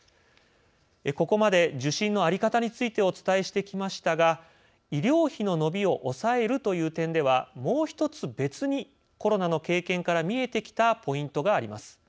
ここまで受診の在り方についてお伝えしてきましたが医療費の伸びを抑えるという点では、もう１つ別にコロナの経験から見えてきたポイントがあります。